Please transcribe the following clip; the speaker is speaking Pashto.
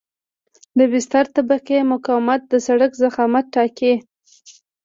د بستر د طبقې مقاومت د سرک ضخامت ټاکي